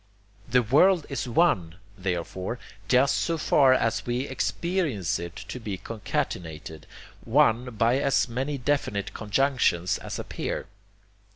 'The world is one,' therefore, just so far as we experience it to be concatenated, one by as many definite conjunctions as appear.